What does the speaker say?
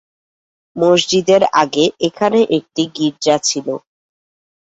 মসজিদের আগে এখানে একটি গির্জা ছিল।